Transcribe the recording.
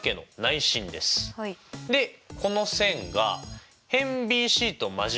でこの線が辺ＢＣと交わる点